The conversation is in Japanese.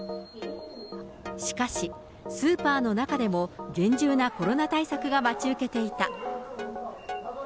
しかし、スーパーの中でも厳重なコロナ対策が待ち受けていた。